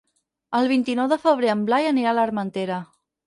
El vint-i-nou de febrer en Blai anirà a l'Armentera.